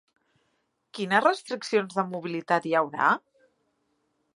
Quines restriccions de mobilitat hi haurà?